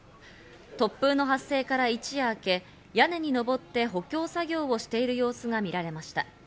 突風の発生から一夜明け、屋根に登って補強作業をしている様子が見られました。